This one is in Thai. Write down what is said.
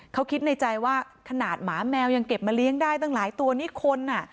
เขาคิดในใจว่าขนาดหมาแมวยังเก็บมาเลี้ยงได้ตั้งหลายตัวนี่คนอ่ะ